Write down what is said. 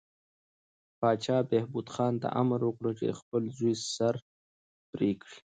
پاچا بهبود خان ته امر وکړ چې د خپل زوی سر پرې کړي.